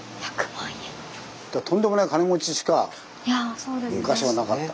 とんでもない金持ちしか昔はなかった。